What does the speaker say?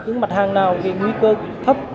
những mặt hàng nào nguy cơ thấp